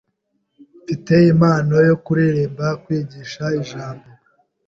Mfite impano yo kuririmba kwigisha ijambo